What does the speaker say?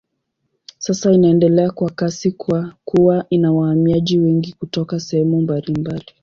Sasa inaendelea kwa kasi kwa kuwa ina wahamiaji wengi kutoka sehemu mbalimbali.